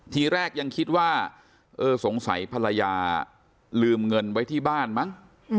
ทีแรกยังคิดว่าเออสงสัยภรรยาลืมเงินไว้ที่บ้านมั้ง